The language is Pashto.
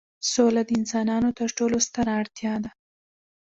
سوله د انسانانو تر ټولو ستره اړتیا ده.